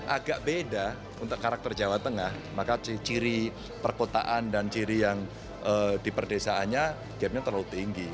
agak beda untuk karakter jawa tengah maka ciri perkotaan dan ciri yang di perdesaannya gapnya terlalu tinggi